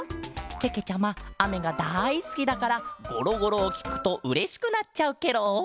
けけちゃまあめがだいすきだからゴロゴロをきくとうれしくなっちゃうケロ！